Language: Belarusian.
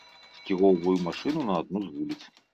Скіроўваю машыну на адну з вуліц.